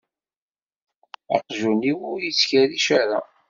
Aqjun-iw ur yettkerric ara.